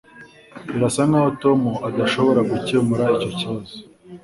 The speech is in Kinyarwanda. Birasa nkaho Tom adashobora gukemura icyo kibazo